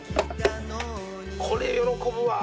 これ喜ぶわ。